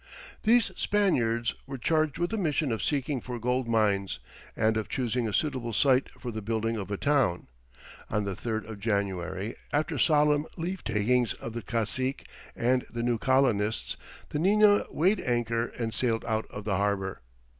These Spaniards were charged with the mission of seeking for gold mines, and of choosing a suitable site for the building of a town. On the 3rd of January, after solemn leave takings of the cacique and the new colonists, the Nina weighed anchor and sailed out of the harbour.